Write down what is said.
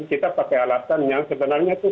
kita pakai alasan yang sebenarnya itu